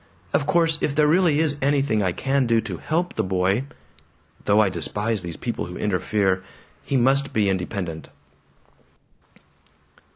"Of course if there really is anything I can do to HELP the boy "Though I despise these people who interfere. He must be independent."